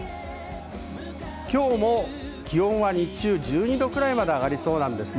今日も気温は日中１２度くらいまで上がりそうです。